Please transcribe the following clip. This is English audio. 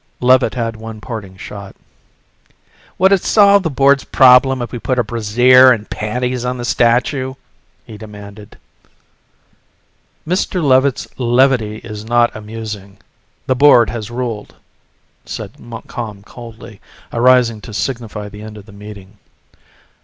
Levitt had one parting shot. "Would it solve the board's problem if we put a brassiere and panties on the statue?" he demanded. "Mr. Levitt's levity is not amusing. The board has ruled," said Montcalm coldly, arising to signify the end of the meeting.